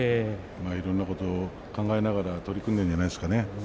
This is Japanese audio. いろんなことを考えながら取り組んでいるんじゃないですか。